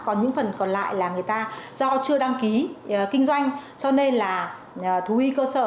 có những phần còn lại là người ta do chưa đăng ký kinh doanh cho nên là thú y cơ sở